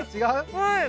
はい。